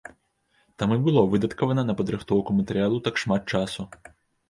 Таму і было выдаткавана на падрыхтоўку матэрыялу так шмат часу.